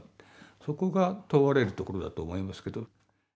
そこが問われるところだと思いますけど。